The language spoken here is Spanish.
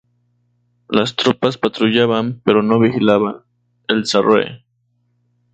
Las tropas patrullaban, pero no vigilaban, el Sarre.